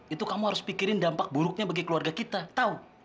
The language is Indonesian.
itu kamu harus pikirin dampak buruknya bagi keluarga kita tahu